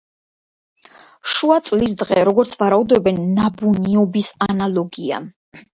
შუა წლის დღე, როგორც ვარაუდობენ, ნაბუნიობის ანალოგია.